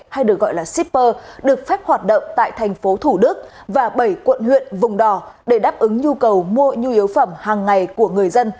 hay được gọi là shipper được phép hoạt động tại thành phố thủ đức và bảy quận huyện vùng đò để đáp ứng nhu cầu mua nhu yếu phẩm hàng ngày của người dân